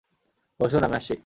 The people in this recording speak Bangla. বসুন, আমি আসছি।